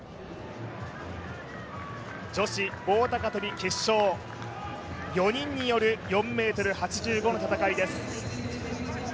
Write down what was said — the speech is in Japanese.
女子棒高跳決勝４人による４ｍ８５の戦いです。